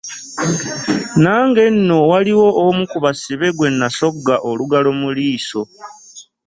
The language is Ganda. Nange nno waliwo omu ku basibe gwe nasogga olugalo mu liiso.